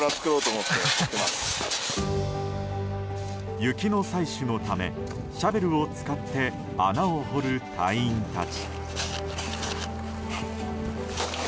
雪の採取のためシャベルを使って穴を掘る隊員たち。